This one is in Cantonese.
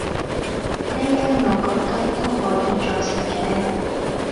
呢間我覺得都係可以再食既